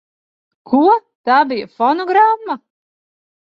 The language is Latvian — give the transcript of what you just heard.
Ko? Tā bija fonogramma?